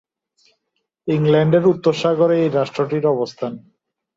ইংল্যান্ডের উত্তর সাগরে এই রাষ্ট্রটির অবস্থান।